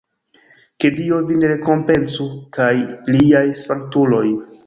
Ke Dio vin rekompencu kaj liaj sanktuloj!